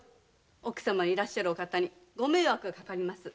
奥様のいらっしゃる方にご迷惑がかかります。